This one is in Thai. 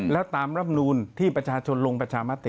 แล้วตามรับนูลที่ประชาชนลงประชามติ